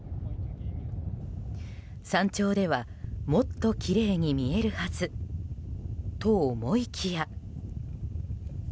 山頂ではもっときれいに見えるはず。と思いきや。